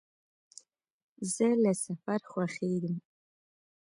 زه له سفر خوښېږم.